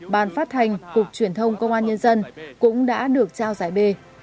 ban phát hành cục truyền thông công an nhân dân cũng đã được trao giải b